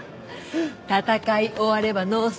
戦い終わればノーサイド。